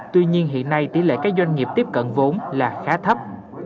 tuy nhiên hiện nay tỷ lệ các doanh nghiệp tiếp cận vốn là khá thấp